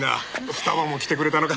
二葉も来てくれたのか。